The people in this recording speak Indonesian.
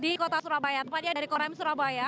di kota surabaya tepatnya dari korem surabaya